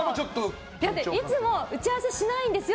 いつも打ち合わせしないんですよ